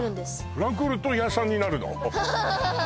フランクフルト屋さんになるの？